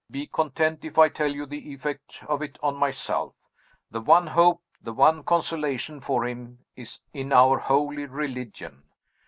Be content if I tell you the effect of it on myself. The one hope, the one consolation for him, is in our holy religion.